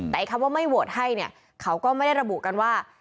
แต่คำว่าไม่โหวตให้เนี่ยเขาก็ไม่ได้ระบุกันว่า